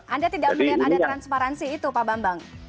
anda tidak melihat ada transparansi itu pak bambang